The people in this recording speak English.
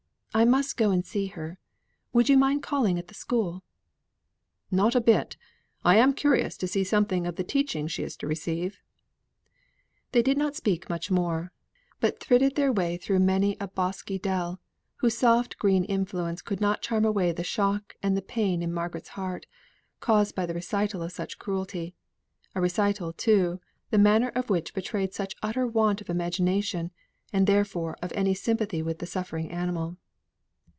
I must go and see her; would you mind calling at the school?" "Not a bit. I am curious to see something of the teaching she is to receive." They did not speak much more, but thridded their way through many a bosky dell, whose soft green influence could not charm away the shock and the pain in Margaret's heart, caused by the recital of such cruelty; a recital too, the manner of which betrayed such utter want of imagination, and therefore of any sympathy with the suffering animal.